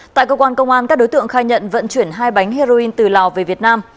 tại cơ quan công an các đối tượng khai nhận vận chuyển hai bánh heroin từ lào về việt nam